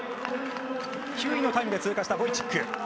９位のタイムで通過したボイチック。